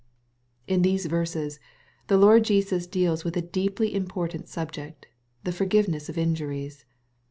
In these verses the Lord Jesus deals with a deeply im portant subject, — the forgiveness of injuries.